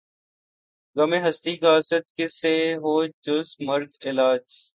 غم ہستی کا اسدؔ کس سے ہو جز مرگ علاج